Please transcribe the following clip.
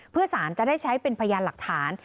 เพื่อสารจะได้ใช้เป็นพยานหลักฐาน